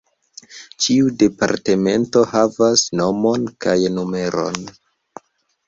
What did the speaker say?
Ĉiu departemento havas nomon kaj numeron.